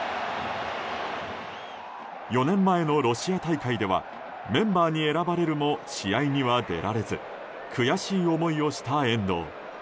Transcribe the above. ４年前のロシア大会ではメンバーに選ばれるも試合には出られず悔しい思いをした遠藤。